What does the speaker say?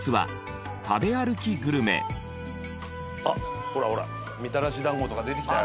あっほらほらみたらしだんごとか出てきたよ。